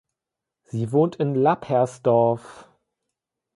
Sie wohnt in Lappersdorf.